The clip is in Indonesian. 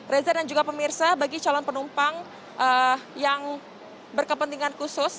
reza dan juga pemirsa bagi calon penumpang yang berkepentingan khusus